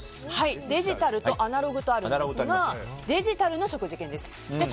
デジタルとアナログとあるんですがデジタルの食事券です。